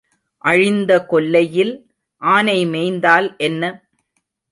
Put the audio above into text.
அழிந்த கொல்லையில் ஆனை மேய்ந்தால் என்ன?